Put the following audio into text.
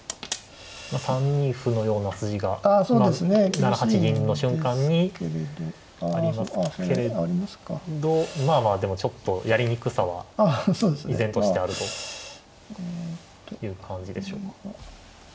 まあ３二歩のような筋が７八銀の瞬間にありますけれどまあまあでもちょっとやりにくさは依然としてあるという感じでしょうか。